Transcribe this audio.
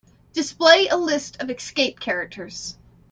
Display a list of escape characters.